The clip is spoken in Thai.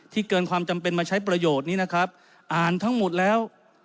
เกินความจำเป็นมาใช้ประโยชน์นี้นะครับอ่านทั้งหมดแล้ว